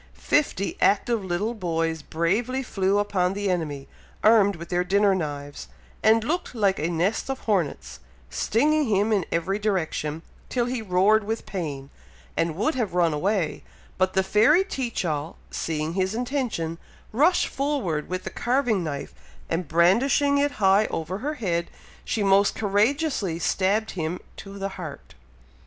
Fifty active little boys bravely flew upon the enemy, armed with their dinner knives, and looked like a nest of hornets, stinging him in every direction, till he roared with pain, and would have run away, but the fairy Teach all, seeing his intention, rushed forward with the carving knife, and brandishing it high over her head, she most courageously stabbed him to the heart!